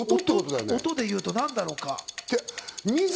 音で言うと何だろうか？